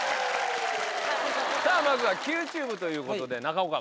さぁまずは「ＱＴｕｂｅ」ということで中岡